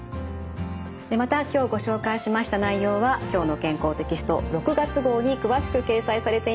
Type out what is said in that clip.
また今日ご紹介しました内容は「きょうの健康」テキスト６月号に詳しく掲載されています。